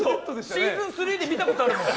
シーズン３で見たことあるもん。